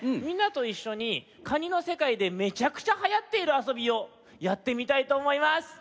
みんなといっしょにカニのせかいでめちゃくちゃはやっているあそびをやってみたいとおもいます。